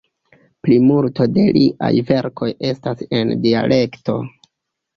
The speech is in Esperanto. Plimulto de liaj verkoj estas en dialekto.